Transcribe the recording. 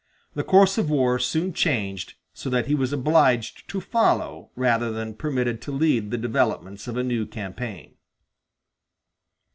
The course of war soon changed, so that he was obliged to follow rather than permitted to lead the developments of a new campaign.